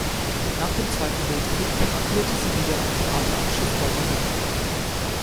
Nach dem Zweiten Weltkrieg agierte sie wieder am Theater am Schiffbauerdamm.